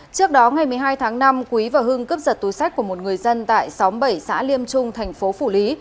trước đó ngày một mươi hai tháng năm quý và hưng cướp giật túi sách của một người dân tại sáu mươi bảy xã liêm trung tp phủ lý